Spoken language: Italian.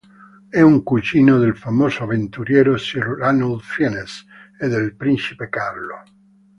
È un cugino del famoso avventuriero Sir Ranulph Fiennes e del principe Carlo.